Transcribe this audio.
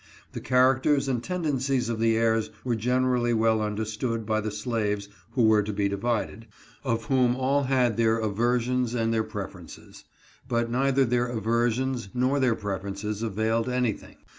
The characters and tendencies of the heirs were generally well understood by the slaves who were to be divided, of whom all had their aversions and their preferences. But neither their aversions nor their preferences availed anything.